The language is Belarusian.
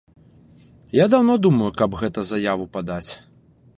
Я даўно думаю, каб гэта заяву падаць.